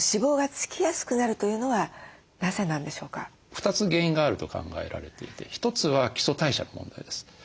２つ原因があると考えられていて１つは基礎代謝の問題です。